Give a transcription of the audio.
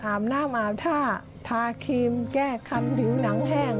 อาบน้ำอาบท่าทาครีมแก้คันผิวหนังแห้ง